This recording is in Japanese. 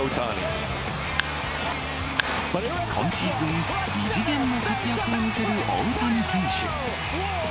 今シーズン、異次元の活躍を見せる大谷選手。